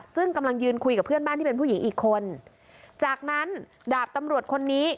ซึ่งกำลังยืนคุยกับเพื่อนบ้านที่เป็นผู้หญิงอีกคนจากนั้นดาบตำรวจคนนี้